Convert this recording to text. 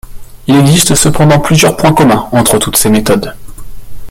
Il existe cependant plusieurs points communs entre toutes ces méthodes.